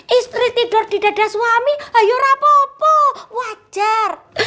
istri tidur di dada suami ayo rapopo wajar